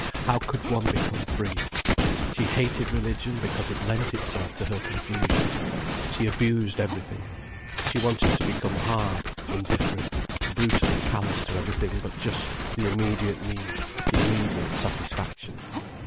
How could one become free? She hated religion, because it lent itself to her confusion. She abused everything. She wanted to become hard, indifferent, brutally callous to everything but just the immediate need, the immediate satisfaction.